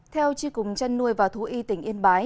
theo tri cùng chân nuôi và thú y tỉnh yên bái